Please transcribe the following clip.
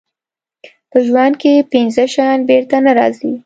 په ژوند کې پنځه شیان بېرته نه راګرځي.